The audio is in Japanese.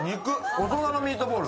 大人のミートボール。